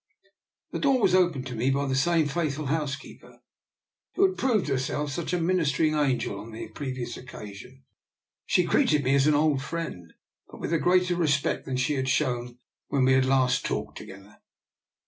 The door was opened to me by the same faithful housekeeper who had proved herself such a ministering angel on the previous oc casion. She greeted me as an old friend, but with a greater respect than she had shown when we had last talked together.